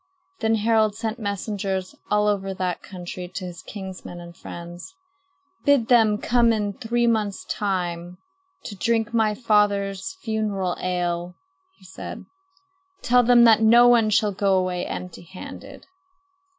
Then Harald sent messengers all over that country to his kinsmen and friends. "Bid them come in three months' time to drink my father's funeral ale," he said. "Tell them that no one shall go away empty handed."